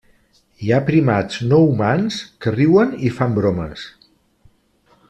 Hi ha primats no humans que riuen i fan bromes.